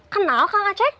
kenal kang aceh